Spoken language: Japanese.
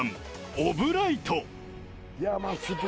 オブライト！